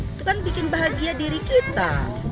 itu kan bikin bahagia diri kita